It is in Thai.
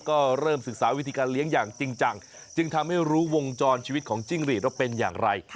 ก็เริ่มศึกษาวิธีการเลี้ยงอย่างจริงจังจึงทำให้รู้วงจรชีวิตของจิ้งหรีดว่าเป็นอย่างไร